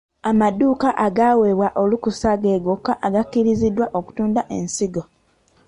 Amadduuka agaaweebwa olukusa ge gokka agakkirizibwa okutunda ensigo.